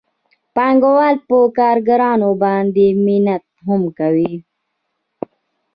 پانګوال په کارګرانو باندې منت هم کوي